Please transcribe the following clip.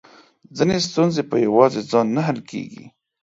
ځينې ستونزې په يواځې ځان نه حل کېږي .